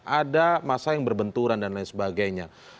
ada masa yang berbenturan dan lain sebagainya